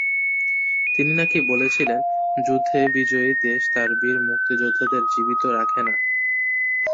তিনি নাকি বলেছিলেন, যুদ্ধে বিজয়ী দেশ তার বীর মুক্তিযোদ্ধাদের জীবিত রাখে না।